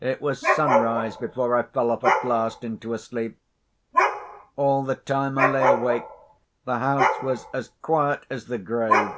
It was sunrise before I fell off at last into a sleep. All the time I lay awake the house was as quiet as the grave.